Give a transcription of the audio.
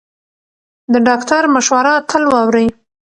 د ډاکټر مشوره تل واورئ.